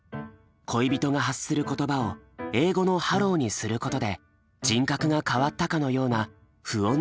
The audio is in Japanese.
恋人が発する言葉を英語の「Ｈｅｌｌｏ」にすることで人格が変わったかのような不穏な空気まで表現した。